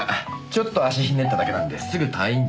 ちょっと足ひねっただけなんですぐ退院出来ます。